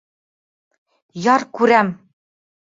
— Яр күрәм!